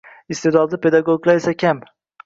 Iste’dodli pedagoglar esa kam.